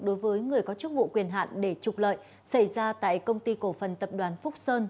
đối với người có chức vụ quyền hạn để trục lợi xảy ra tại công ty cổ phần tập đoàn phúc sơn